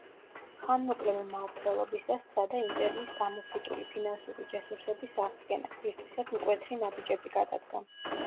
ხანმოკლე მმართველობისას სცადა იმპერიის გამოფიტული ფინანსური რესურსების აღდგენა, რისთვისაც მკვეთრი ნაბიჯები გადადგა.